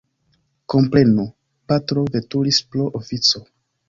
Komprenu, patro veturis pro oﬁco.